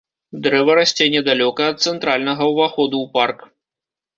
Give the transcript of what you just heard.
Дрэва расце недалёка ад цэнтральнага ўваходу ў парк.